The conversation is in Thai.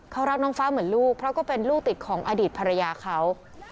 เขารักน้องฟ้าเหมือนลูกเพราะก็เป็นลูกติดของอดีตภรรยาเขา